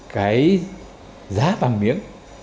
cái giá vàng miếng